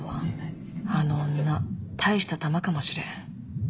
あの女大したタマかもしれん。